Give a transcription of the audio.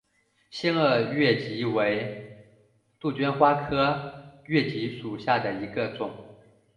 腺萼越桔为杜鹃花科越桔属下的一个种。